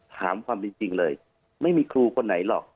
ถามความจริงเลยไม่มีครูคนไหนหรอก